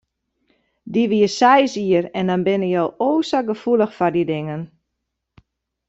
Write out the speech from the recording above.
Dy wie seis jier en dan binne je o sa gefoelich foar dy dingen.